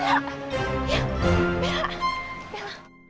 ya bela bela